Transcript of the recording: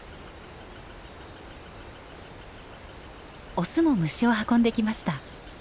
オスも虫を運んできました。